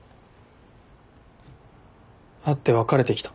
会って別れてきた。